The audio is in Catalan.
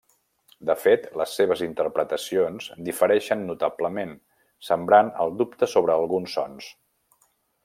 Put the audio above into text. De fet les seves interpretacions difereixen notablement, sembrant el dubte sobre alguns sons.